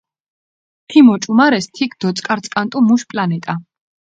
თიმ ოჭუმარეს თიქ დოწკარწკანტუ მუშ პლანეტა.